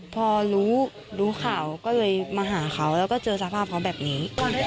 พอรู้รู้ข่าวก็เลยมาหาเขาแล้วก็เจอสภาพเขาแบบนี้